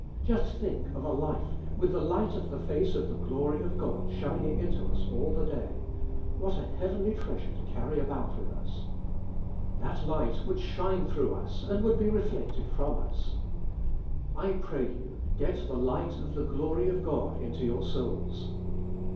Just think of a life, with the light of the face of the glory of God shining into us all the day. What a heavenly treasure to carry about with us I That light would shine through us, and would be reflected from us. I pray you, get the light of the glory of God into your souls.